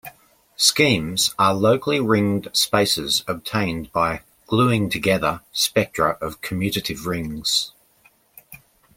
Schemes are locally ringed spaces obtained by "gluing together" spectra of commutative rings.